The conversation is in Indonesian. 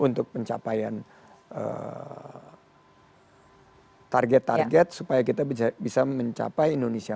untuk pencapaian target target supaya kita bisa mencapai indonesia